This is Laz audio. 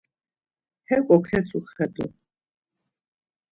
Heko ketzuxedu.